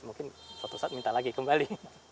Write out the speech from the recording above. mungkin suatu saat minta lagi kembali